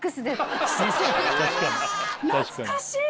懐かしい！